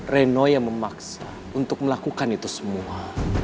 reno yang memaksa untuk melakukan itu semua